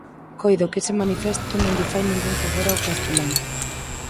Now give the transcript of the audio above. Coido que ese manifesto non lle fai ningún favor ao castelán.